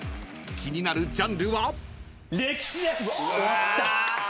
［気になるジャンルは］